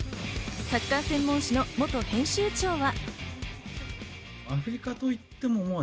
サッカー専門誌の元編集長は。